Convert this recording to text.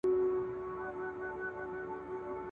بيا مو څوک مخه نشي نيولی.